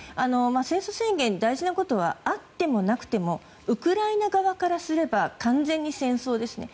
戦争宣言に大事なことはあってもなくてもウクライナ側からすれば完全に戦争ですね。